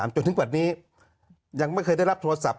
จนถึงวันนี้ยังไม่เคยได้รับโทรศัพ